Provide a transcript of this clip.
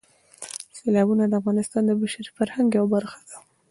سیلابونه د افغانستان د بشري فرهنګ یوه برخه ده.